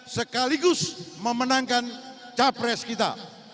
sekaligus memenangkan capres kita